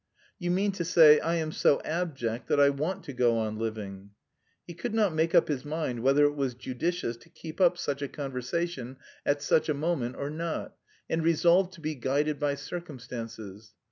"You mean to say, I am so abject that I want to go on living." He could not make up his mind whether it was judicious to keep up such a conversation at such a moment or not, and resolved "to be guided by circumstances."